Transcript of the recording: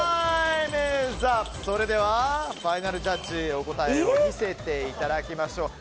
それでは、ファイナルジャッジお答えを見せていただきましょう。